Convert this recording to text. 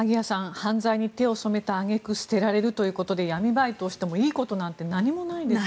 犯罪に手を染めた揚げ句に捨てられるということで闇バイトをしてもいいことなんて何もないですね。